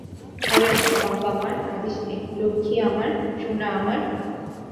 Horn, বাপ আমার, কাঁদিস নে, লক্ষ্মী আমার, সোনা আমার।